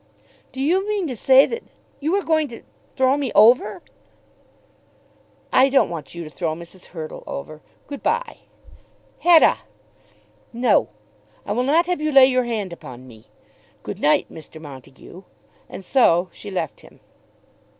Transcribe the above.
"Do you mean to say that you are going to throw me over?" "I don't want you to throw Mrs. Hurtle over. Good bye." "Hetta!" "No; I will not have you lay your hand upon me. Good night, Mr. Montague." And so she left him.